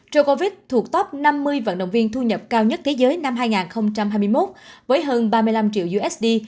rovic thuộc top năm mươi vận động viên thu nhập cao nhất thế giới năm hai nghìn hai mươi một với hơn ba mươi năm triệu usd